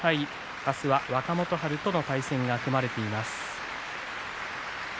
あすは玉鷲との対戦が組まれています